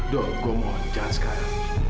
dok gue mau jalan sekarang